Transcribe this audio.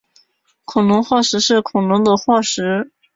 恐龙化石是恐龙的化石。